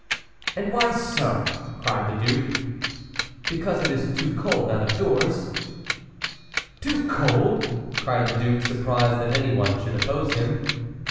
"And why so?" cried the duke. "Because it is too cold out of doors." "Too cold!" cried the duke, surprised that any one should oppose him.